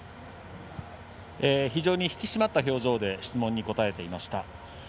非常に引き締まった表情で質問に答えていました。